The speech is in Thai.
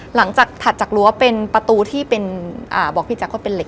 ถัดจากรั้วเป็นประตูที่เป็นบอกพี่แจ๊คว่าเป็นเห็